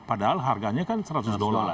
padahal harganya kan seratus dolar